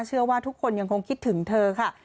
เชื่อว่าทุกคนยังคงคิดถึงเธอค่ะ